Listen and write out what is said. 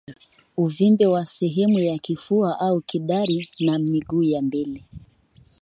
Uvimbe wa sehemu ya kifua au kidari na miguu ya mbele